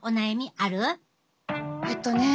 えっとね